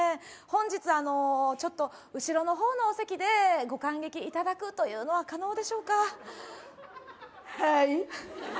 本日あのちょっと後ろの方のお席でご観劇いただくというのは可能でしょうかはい？